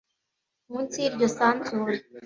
munsi y iryo sanzure